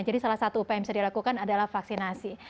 jadi salah satu upaya yang bisa dilakukan adalah vaksinasi